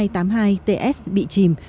tàu anigas chín bị chìm